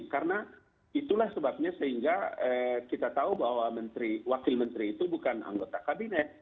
karena itulah sebabnya sehingga kita tahu bahwa wakil menteri itu bukan anggota kabinet